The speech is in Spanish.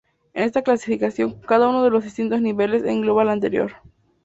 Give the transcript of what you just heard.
En esta clasificación, cada uno de los distintos niveles engloba al anterior.